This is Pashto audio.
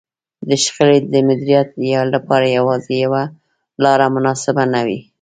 د شخړې د مديريت لپاره يوازې يوه لار مناسبه نه وي.